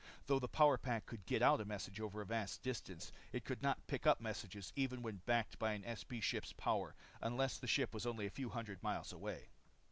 Though the power pack could get out a message over a vast distance, it could not pick up messages even when backed by an SP ship's power unless the ship was only a few hundred miles away.